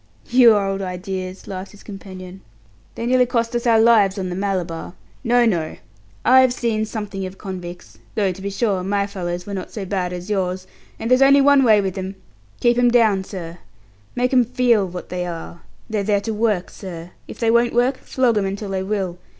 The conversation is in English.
"Your old ideas!" laughed his companion. "Remember, they nearly cost us our lives on the Malabar. No, no. I've seen something of convicts though, to be sure, my fellows were not so bad as yours and there's only one way. Keep 'em down, sir. Make 'em feel what they are. They're there to work, sir. If they won't work, flog 'em until they will.